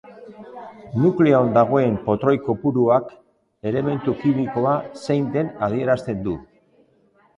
Nukleoan dagoen protoi kopuruak elementu kimikoa zein den adierazten du.